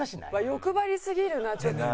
欲張りすぎるなちょっと。